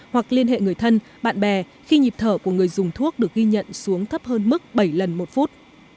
hoặc liên hệ người thân bạn bè khi nhịp thở của người dùng thuốc được ghi nhận xuống thấp hơn mức bảy lần một phút